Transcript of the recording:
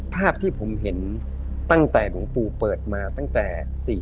ภาพที่ผมเห็นตั้งแต่ล่มครูเปิดมาตั้งแต่๑๙๔๙๑๙๕๗